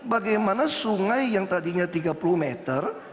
bagaimana sungai yang tadinya tiga puluh meter